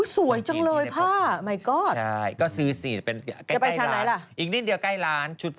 สวยจังเลยพ่อมายก็อด